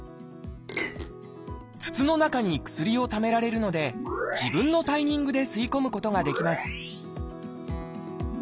筒の中に薬をためられるので自分のタイミングで吸い込むことができます